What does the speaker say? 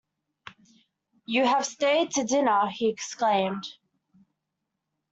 “You have stayed to dinner!” he exclaimed.